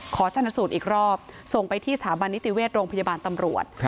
ชนสูตรอีกรอบส่งไปที่สถาบันนิติเวชโรงพยาบาลตำรวจ